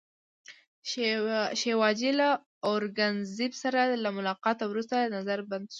شیوا جي له اورنګزېب سره له ملاقاته وروسته نظربند شو.